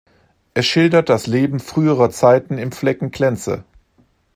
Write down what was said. Es schildert das Leben früherer Zeiten im Flecken Clenze.